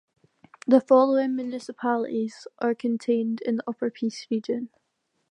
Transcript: The following municipalities are contained in the Upper Peace Region.